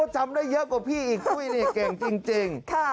จำได้เยอะกว่าพี่อีกปุ้ยนี่เก่งจริง